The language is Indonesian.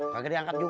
kagak diangkat juga